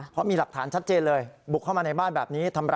เพราะมีหลักฐานชัดเจนเลยบุกเข้ามาในบ้านแบบนี้